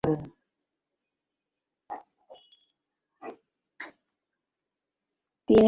তিনি আল-সাখাভী নামে প্রসিদ্ধি লাভ করেন।